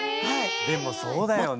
でもそうだよね。